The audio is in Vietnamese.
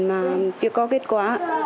mà chưa có kết quả